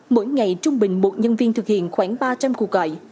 mỗi ngày trung bình một nhân viên thực hiện khoảng ba trăm linh cuộc gọi